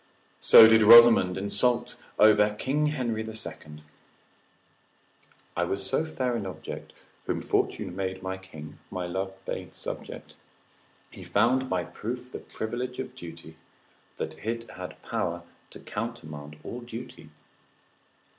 So did Rosamond insult over King Henry the Second. ———I was so fair an object; Whom fortune made my king, my love made subject; He found by proof the privilege of beauty, That it had power to countermand all duty.